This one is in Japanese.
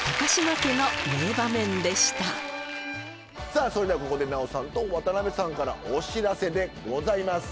さぁそれではここで奈緒さんと渡辺さんからお知らせでございます。